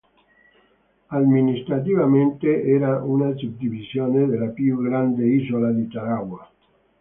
Amministrativamente era una suddivisione della più grande isola di Tarawa.